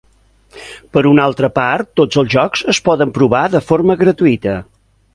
Per una altra part tots els jocs es poden provar de forma gratuïta.